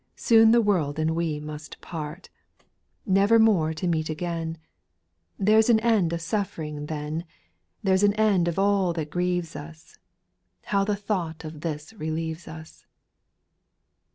Soon the world and we must part, Never more to meet again ; There 's an end of suffering then^ SPIRITUAL 80NG8. 895 There 's an end of all that grieves us ; How the thought of this relieves us